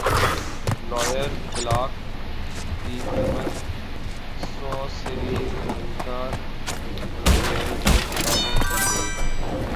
lower block کی قیمت سو سری لنکن روپے مقرر کی گئی ہے